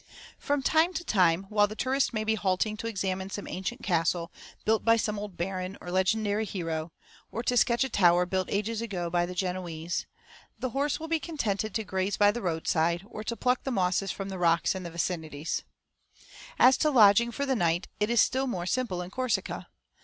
From time to time, while the tourist may be halting to examine some ancient castle, built by some old baron or legendary hero, or to sketch a tower built ages ago by the Genoese, the horse will be contented to graze by the road side, or to pluck the mosses from the rocks in the vicinity. As to lodging for the night, it is still more simple in Corsica.